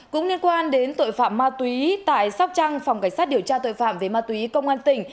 cũng liên quan đến tội phạm ma túy tại sóc trăng phòng cảnh sát điều tra tội phạm về ma túy công an tỉnh